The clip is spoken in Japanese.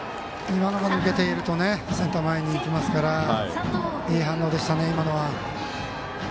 今のが抜けているとセンター前にいきますからいい反応でしたね、今のは。